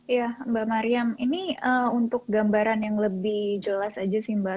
ya mbak mariam ini untuk gambaran yang lebih jelas aja sih mbak